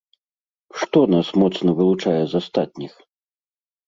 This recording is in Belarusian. Што нас моцна вылучае з астатніх?